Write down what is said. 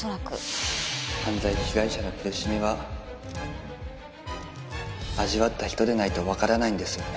犯罪被害者の苦しみは味わった人でないとわからないんですよね。